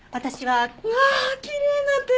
わあきれいな手！